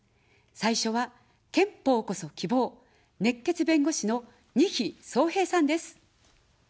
最初は、憲法こそ希望、熱血弁護士の、にひそうへいさんです。